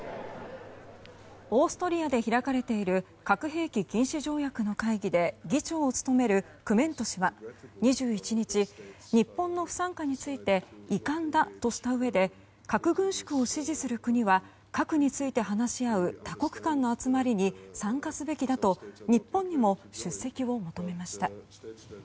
オーストリアで開かれている核兵器禁止条約の会議で議長を務めるクメント氏は２１日日本の不参加について遺憾だとしたうえで核軍縮を支持する国は核について話し合う多国間の集まりに参加すべきだと日本にも出席を求めました。